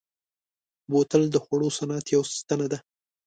بوتل د خوړو صنعت یوه ستنه ده.